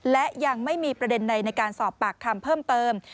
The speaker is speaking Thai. และยังไม่มีประเด็นใดในการสอบปากคำเพิ่มเติม